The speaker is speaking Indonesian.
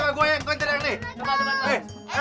mak balik ke musim susu